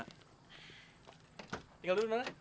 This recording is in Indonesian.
tinggal dulu dimana